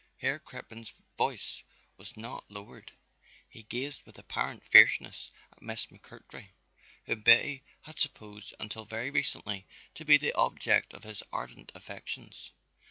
Herr Crippen's voice was not lowered; he gazed with apparent fierceness at Miss McMurtry, whom Betty had supposed until very recently to be the object of his ardent affections.